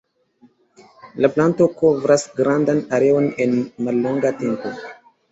La planto kovras grandan areon en mallonga tempo.